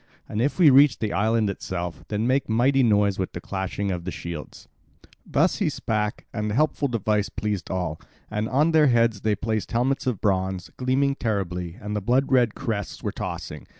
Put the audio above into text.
And if we reach the island itself, then make mighty noise with the clashing of shields." Thus he spake, and the helpful device pleased all. And on their heads they placed helmets of bronze, gleaming terribly, and the blood red crests were tossing.